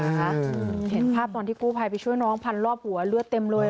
เห็นภาพตอนที่กู้ภัยไปช่วยน้องพันรอบหัวเลือดเต็มเลย